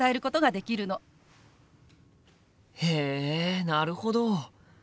へえなるほど！